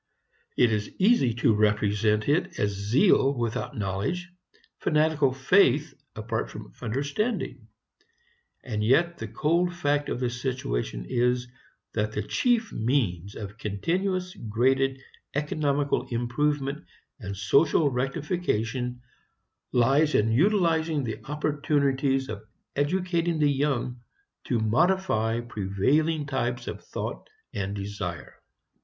It is easy to represent it as zeal without knowledge, fanatical faith apart from understanding. And yet the cold fact of the situation is that the chief means of continuous, graded, economical improvement and social rectification lies in utilizing the opportunities of educating the young to modify prevailing types of thought and desire.